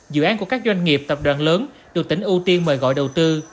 dự án của các doanh nghiệp tập đoàn lớn được tỉnh ưu tiên mời gọi đầu tư